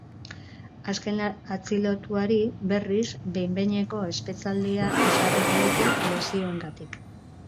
Azken atxilotuari, berriz, behin-behineko espetxealdia ezarri diote, lesioengatik.